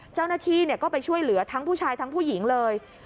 เจ้าหน้าที่ก็ไปช่วยเหลือทั้งผู้ชายทั้งผู้หญิงเลย